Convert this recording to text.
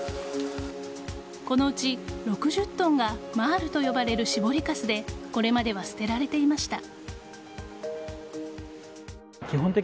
このうち６０ｔがマールと呼ばれる搾りかすでこれまでは捨てられていました。